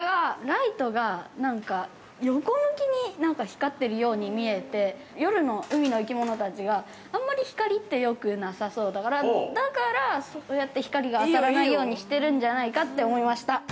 ◆これはライトがなんか、横向きに光っているように見えて、夜の海の生き物が、あんまり光ってよくなさそうだから、だから、そうやって光が受けとめないようにしてるんじゃないかと思いました。